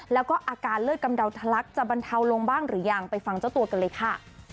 แล้วก็อาการเลือดกำเดาทะลักจะบรรเทาลงบ้างหรือยังไปฟังเจ้าตัวกันเลยค่ะ